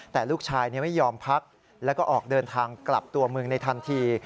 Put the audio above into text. แต่ลูกชายไม่ยอมพักแล้วก็ออกเดินทางกลับตัวเมืองในทันที